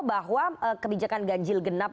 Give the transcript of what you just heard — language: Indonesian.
bahwa kebijakan ganjil genap